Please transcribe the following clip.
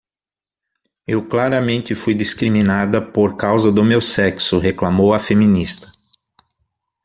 "Eu claramente fui discriminada por causa do meu sexo", reclamou a feminista.